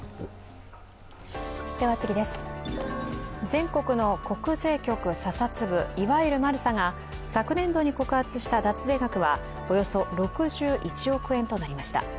全国の国税局査察部いわゆるマルサが昨年度に告発した脱税額はおよそ６１億円となりました。